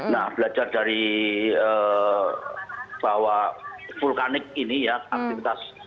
nah belajar dari bahwa vulkanik ini ya aktivitas